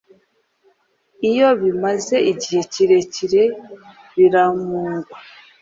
iyo bimaze igihe kirekire biramungwa.